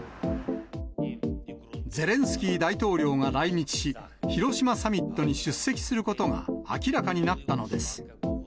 ゼレンスキー大統領が来日し、広島サミットに出席することが明らかになったのです。